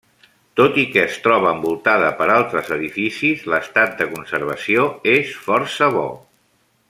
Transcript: Tot i que es troba envoltada per altres edificis, l'estat de conservació és força bo.